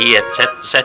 iya saya takutnya begini